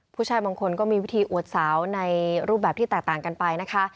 ผู้ชายบางคนก็มีวิธีอวดสาวในรูปแบบที่แตกต่างกันไปนะคะ